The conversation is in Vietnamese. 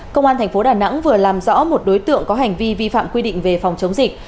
công an tp đà nẵng vừa làm rõ một đối tượng có hành vi vi phạm quy định về phòng chống dịch